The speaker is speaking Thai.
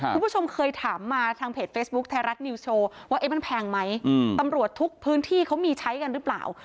คุณผู้ชมเคยถามมาทางเพจเฟซบุ๊คไทยรัฐนิวโชว์ว่ามันแพงไหมตำรวจทุกพื้นที่เขามีใช้กันหรือเปล่า